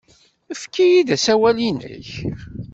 Efk-iyi-d asawal-nnek.